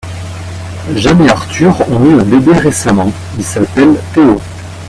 Jeanne et Arthur ont eu un bébé récemment, il s'appelle Théo.